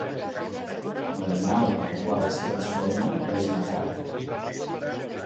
L'animal en el qual es transforma és una rata.